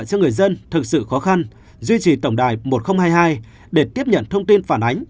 cho người dân thực sự khó khăn duy trì tổng đài một nghìn hai mươi hai để tiếp nhận thông tin phản ánh